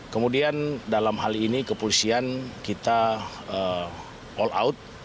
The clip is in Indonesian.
kemudian dalam hal ini kepolisian kita all out